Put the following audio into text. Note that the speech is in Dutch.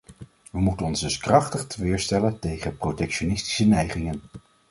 We moeten ons dus krachtig teweerstellen tegen protectionistische neigingen.